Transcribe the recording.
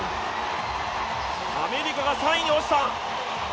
アメリカが３位に落ちた！